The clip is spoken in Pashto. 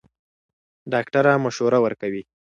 ډاکټره مشوره ورکوي.